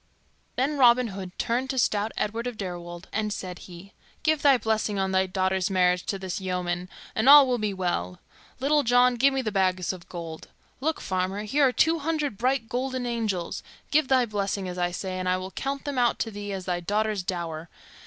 Then Robin Hood turned to stout Edward of Deirwold, and said he, "Give thy blessing on thy daughter's marriage to this yeoman, and all will be well. Little John, give me the bags of gold. Look, farmer. Here are two hundred bright golden angels; give thy blessing, as I say, and I will count them out to thee as thy daughter's dower.